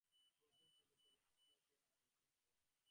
প্রভুর পদতলে আশ্রয় পেয়ে আমরা ধন্য হয়েছি।